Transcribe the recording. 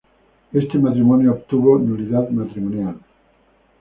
Este matrimonio obtuvo nulidad matrimonial.